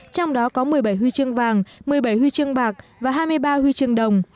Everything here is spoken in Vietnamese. trong đó có một mươi bảy huy chương vàng một mươi bảy huy chương bạc và hai mươi ba huy chương đồng